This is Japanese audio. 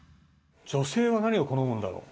女性は何を好むんだろう？